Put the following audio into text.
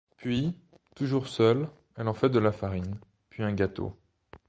Puis, toujours seule, elle en fait de la farine, puis un gâteau.